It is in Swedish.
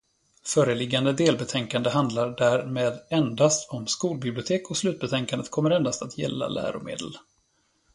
Föreliggande delbetänkande handlar därmed endast om skolbibliotek och slutbetänkandet kommer endast att gälla läromedel.